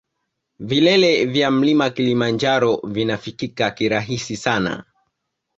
Vilele vya mlima kilimanjaro vinafikika kirahisi sana